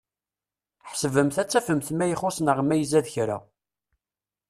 Ḥesbemt ad tafemt ma ixuṣ neɣ ma izad kra.